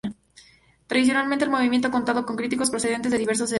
Tradicionalmente el movimiento ha contado con críticos procedentes de diversos sectores.